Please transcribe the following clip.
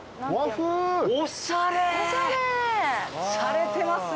しゃれてますね。